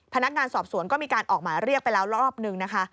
พนักการสอบสวนมีการออกหมายเรียกไปแล้วรอบหนึ่ง